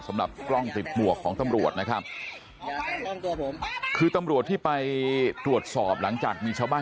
สำหรับกล้องติดหมวกของตำรวจนะครับคือตำรวจที่ไปตรวจสอบหลังจากมีชาวบ้าน